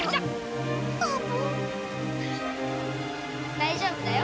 大丈夫だよ。